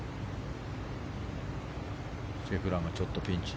シェフラーがちょっとピンチ。